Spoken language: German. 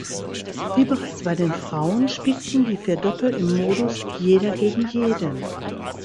Wie bereits bei den Frauen spielten die vier Doppel im Modus "Jeder gegen jeden".